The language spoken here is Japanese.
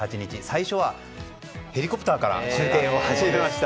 最初は、ヘリコプターから中継を始めました。